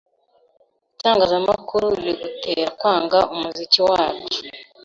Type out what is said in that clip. Itangazamakuru rigutera kwanga umuziki wacu